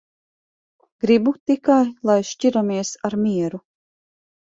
Gribu tikai, lai šķiramies ar mieru.